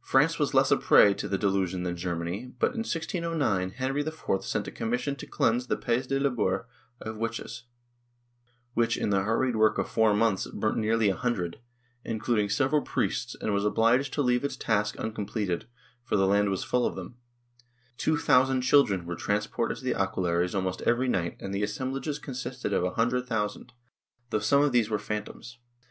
France was less a prey to the delusion than Germany, but, in 1609, Henry IV sent a commission to cleanse the Pays de Labour of witches, which, in the hurried work of four months, burnt nearly a hundred, including several priests, and was obliged to leave its task uncom pleted, for the land was full of them; two thousand children were transported to the aquellares almost every night and the assemblages consisted of a hundred thousand, though some of these were phantoms.